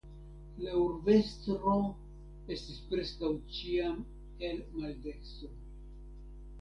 La urbestro estis preskaŭ ĉiam el maldekstro.